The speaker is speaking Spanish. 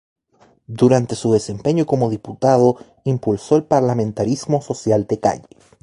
Durante su desempeño como diputado impulsó el Parlamentarismo Social de Calle.